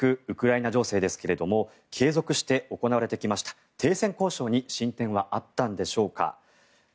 ウクライナ情勢ですが継続して行われてきました停戦交渉に進展はあったんでしょうか。